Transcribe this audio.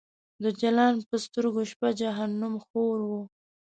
د جلان په سترګو شپه جهنم خور و